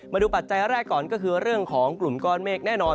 ปัจจัยแรกก่อนก็คือเรื่องของกลุ่มก้อนเมฆแน่นอน